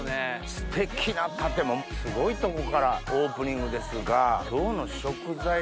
ステキな建物すごいとこからオープニングですが今日の食材。